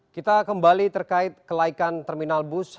kita kembali terkait kelaikan terminal bus